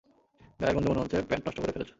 গায়ের গন্ধে মনে হচ্ছে প্যান্ট নষ্ট করে ফেলেছ।